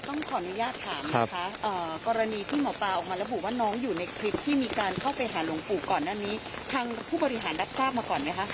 ต้องขออนุญาตถามนะคะกรณีที่หมอปลาออกมาระบุว่าน้องอยู่ในคลิปที่มีการเข้าไปหาหลวงปู่ก่อนหน้านี้ทางผู้บริหารรับทราบมาก่อนไหมคะ